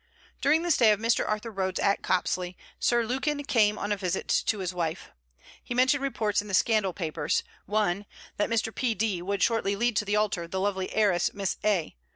During the stay of Mr. Arthur Rhodes at Copsley, Sir Lukin came on a visit to his wife. He mentioned reports in the scandal papers: one, that Mr. P. D. would shortly lead to the altar the lovely heiress Miss A.